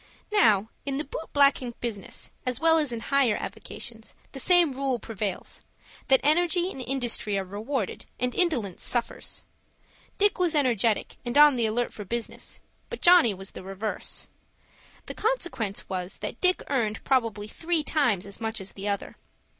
Now, in the boot blacking business, as well as in higher avocations, the same rule prevails, that energy and industry are rewarded, and indolence suffers. Dick was energetic and on the alert for business, but Johnny the reverse. The consequence was that Dick earned probably three times as much as the other.